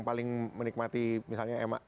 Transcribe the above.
paling menikmati misalnya